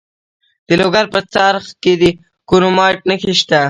د لوګر په څرخ کې د کرومایټ نښې شته.